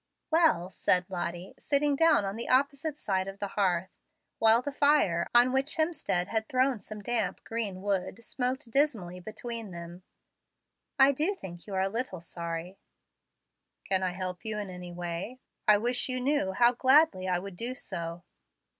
"Well," said Lottie, sitting down on the opposite side of the hearth, while the fire, on which Hemstead had thrown some damp green wood, smoked dismally between them, "I do think you are a little sorry." "Can I help you in any way? I wish you knew how gladly I would do so."